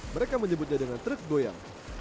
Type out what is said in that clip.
mereka menyebutnya dengan truk goyang